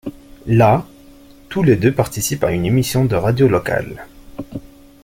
Là, tous les deux participent à une émission de radio locale.